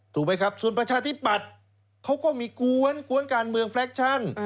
ถูกไหมครับส่วนประชาธิปัตย์เขาก็มีกวนการเมืองแฟคชั่น